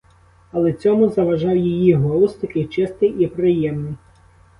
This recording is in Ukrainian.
Але цьому заважав її голос, такий чистий і приємний.